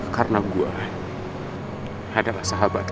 karena gue adalah sahabat lo